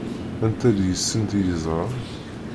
Anta deg-sent i yeẓṛan?